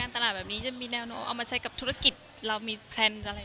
ตลาดแบบนี้จะมีแนวโน้มเอามาใช้กับธุรกิจเรามีแพลนอะไร